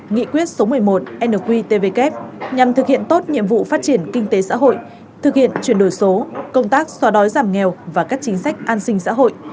nghị quyết số một mươi một nqtvk nhằm thực hiện tốt nhiệm vụ phát triển kinh tế xã hội thực hiện chuyển đổi số công tác xóa đói giảm nghèo và các chính sách an sinh xã hội